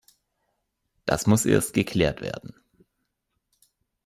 Das muss erst geklärt werden.